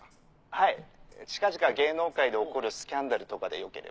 はい近々芸能界で起こるスキャンダルとかでよければ。